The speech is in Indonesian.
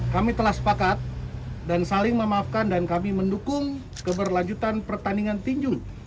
kami telah sepakat dan saling memaafkan dan kami mendukung keberlanjutan pertandingan tinjung